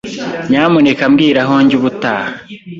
Nyamuneka mbwira aho njya ubutaha.